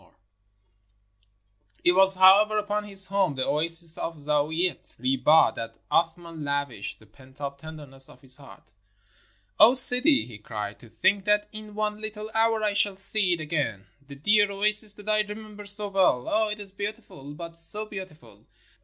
348 I THE OASIS OF THE GREAT GRANDFATHER It was, however, upon his home — the oasis of Zaouiet Ribah — that Athman lavished the pent up tenderness of his heart. "O Sidi!" he cried, "to think that in one little hour I shall see it again — the dear oasis that I remember so well. Ah, it is beautiful — but so beautiful